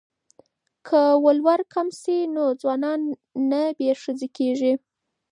که ولور کم شي نو ځوانان نه بې ښځې کیږي.